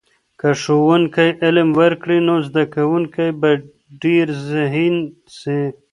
که ښوونکی علم ورکړي، نو زده کونکي به ډېر ذهین سي.